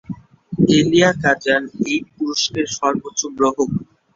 এলিয়া Kazan এই পুরস্কারের সর্বোচ্চ গ্রাহক।